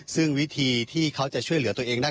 ซึ่งวิธีที่เขาจะช่วยเหลือตัวเองได้